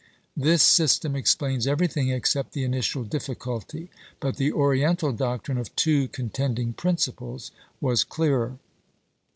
This system explains everything except the initial difficulty, but the Oriental doctrine of two contend ing principles was clearer.